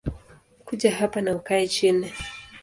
Kuja hapa na ukae chini